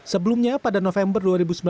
sebelumnya pada november dua ribu sembilan belas